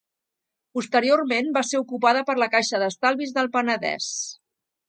Posteriorment va ser ocupada per la Caixa d'Estalvis del Penedès.